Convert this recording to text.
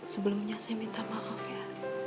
sebelumnya saya minta maaf ya